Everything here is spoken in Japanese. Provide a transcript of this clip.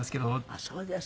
あっそうですか。